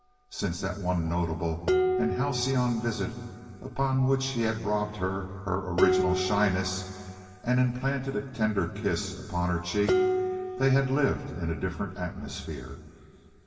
Since that one notable and halcyon visit upon which he had robbed her her original shyness, and implanted a tender kiss upon her cheek, they had lived in a different atmosphere.